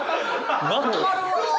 分かるわ！